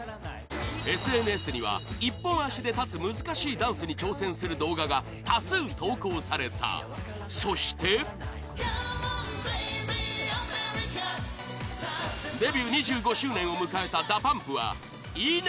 ＳＮＳには１本足で立つ難しいダンスに挑戦する動画が多数投稿されたそしてデビュー２５周年を迎えたＤＡＰＵＭＰはいいね